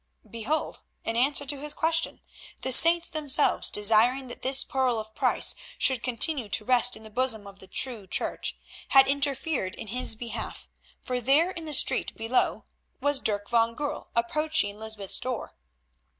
Behold an answer to his question! The Saints themselves, desiring that this pearl of price should continue to rest in the bosom of the true Church, had interfered in his behalf, for there in the street below was Dirk van Goorl approaching Lysbeth's door.